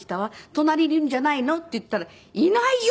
「隣にいるんじゃないの？」って言ったら「いないよ！」